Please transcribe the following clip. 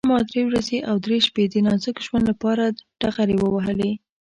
ما درې ورځې او درې شپې د نازک ژوند لپاره ډغرې ووهلې.